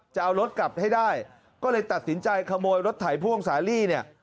จะเอารถกลับให้ได้ก็เลยตัดสินใจขโมยรถไถพ่วงสาลี่เนี่ย